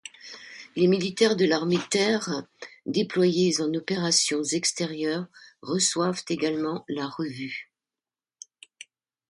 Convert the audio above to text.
Les militaires de l'armée de Terre déployés en opérations extérieures reçoivent également la revue.